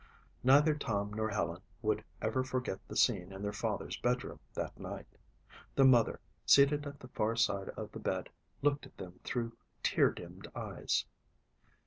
Neither Tom nor Helen would ever forget the scene in their father's bedroom that night. Their mother, seated at the far side of the bed, looked at them through tear dimmed eyes.